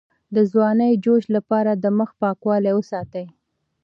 د ځوانۍ د جوش لپاره د مخ پاکوالی وساتئ